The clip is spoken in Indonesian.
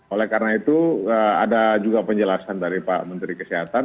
oleh karena itu ada juga penjelasan dari pak menteri kesehatan